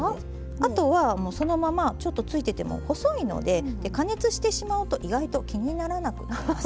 あとはそのままちょっとついてても細いので加熱してしまうと意外と気にならなくなります。